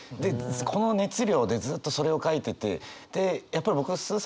この熱量でずっとそれを書いててでやっぱり僕スーさん